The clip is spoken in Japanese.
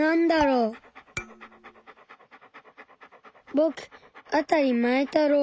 ぼくあたりまえたろう。